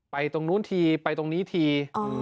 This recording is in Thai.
ตรงนู้นทีไปตรงนี้ที